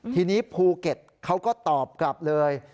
ทีนี้ภูเก็ตเขาก็ตอบกลับเลย